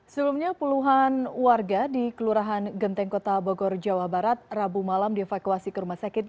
sebelumnya puluhan warga di kelurahan genteng kota bogor jawa barat rabu malam dievakuasi ke rumah sakit